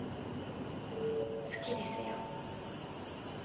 好きですよ。